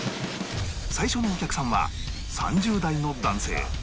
最初のお客さんは３０代の男性